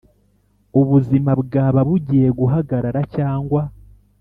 ubuzima bwaba bugiye guhagarara cyangwa